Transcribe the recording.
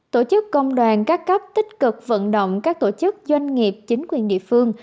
tổ chức công đoàn các cấp tích cực vận động các tổ chức doanh nghiệp chính quyền địa phương